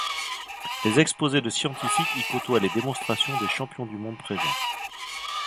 Les exposés de scientifiques y côtoient les démonstrations des champions du monde présents.